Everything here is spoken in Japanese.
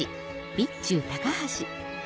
備中高梁